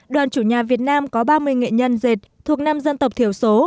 đoàn chủ nhà việt nam có ba mươi nghệ nhân dệt thuộc năm dân tộc thiểu số